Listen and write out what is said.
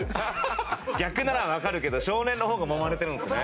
逆ならわかるけど少年の方がもまれてるんですね。